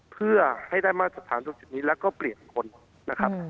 เพื่อให้ได้มาตรฐานตรงจุดนี้แล้วก็เปลี่ยนคนนะครับ